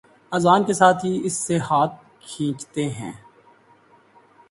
اذان کے ساتھ ہی اس سے ہاتھ کھینچتے ہیں